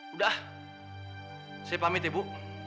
udah saya pamit ya bu